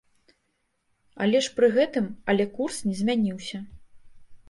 Але ж пры гэтым але курс не змяніўся.